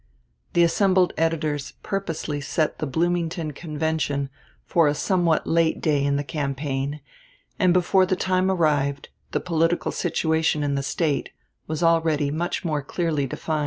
The assembled editors purposely set the Bloomington Convention for a somewhat late day in the campaign, and before the time arrived the political situation in the State was already much more clearly defined.